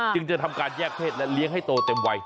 จึงจะทำการแยกเศษและเลี้ยงให้โตเต็มวัย